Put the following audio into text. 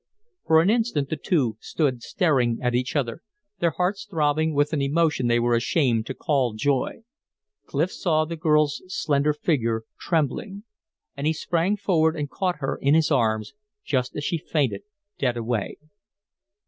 For an instant the two stood staring at each other, their hearts throbbing with an emotion they were ashamed to call joy. Clif saw the girl's slender figure trembling. And he sprang forward and caught her in his arms just as she fainted dead away.